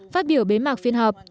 phát biểu bế mạc phiên họp